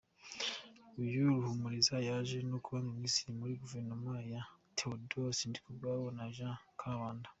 Uyu Ruhumuriza yaje no kuba Minisitiri muri guverinoma ya Theodore Sindikubwabo na Jean Kambanda.